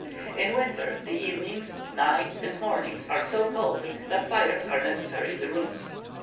In winter, the evenings, nights, and mornings are so cold, that fires are necessary in the rooms.